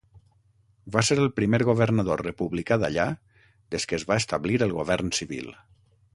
Va ser el primer governador republicà d'allà des que es va establir el govern civil.